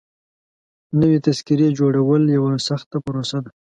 نوي تذکيري جوړول يوه سخته پروسه ده.